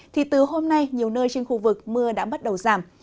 thì từ hôm nay nhiều nơi trên khu vực mưa đã bắt đầu giảm